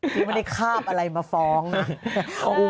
จริงไม่ได้ข้าบอะไรมาฟ้องนะ